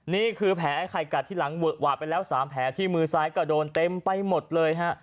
นี่คือแผลไอ้ไข่กัดที่หลังเวอะหวะไปแล้ว๓แผลที่มือซ้ายก็โดนเต็มไปหมดเลยฮะ